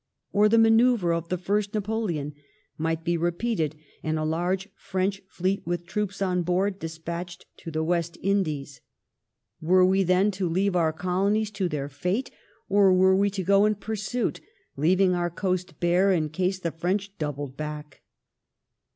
Or the manoeuvre of the first Napoleon might he repeated and a large French fleet with troops on board despatched to the West Indies. Were we then to leave our colonies to their fate, or were we to go in pursuit, leaving our coast bare in case the French doubled back